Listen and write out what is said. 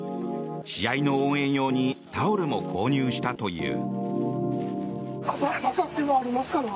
試合の応援用にタオルも購入したという。